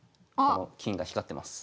この金が光ってます。